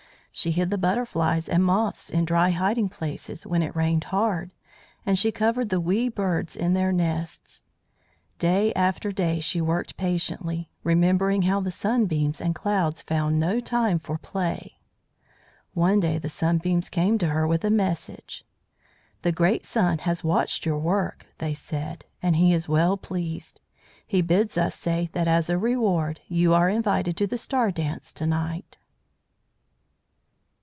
She hid the butterflies and moths in dry hiding places when it rained hard, and she covered the wee birds in their nests. Day after day she worked patiently, remembering how the Sunbeams and Clouds found no time for play. One day the Sunbeams came to her with a message. "The great Sun has watched your work," they said, "and he is well pleased. He bids us say that as a reward you are invited to the star dance to night."